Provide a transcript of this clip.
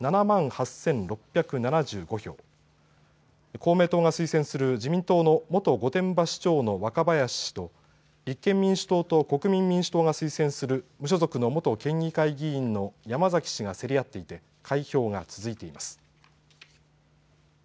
公明党が推薦する自民党の元御殿場市長の若林氏と立憲民主党と国民民主党が推薦する無所属の元県議会議員の山崎氏が競り合っていて開票が続いています。